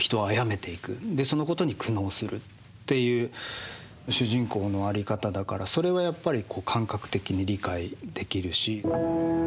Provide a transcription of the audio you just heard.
そのことに苦悩するっていう主人公の在り方だからそれはやっぱり感覚的に理解できるし。